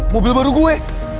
mobil baru gue